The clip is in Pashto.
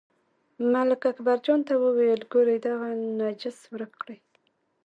ملک اکبرجان ته وویل، ګورئ دغه نجس ورک کړئ.